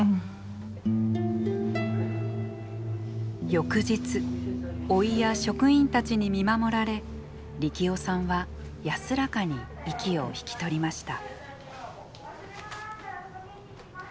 翌日甥や職員たちに見守られ力夫さんは安らかに息を引き取りました。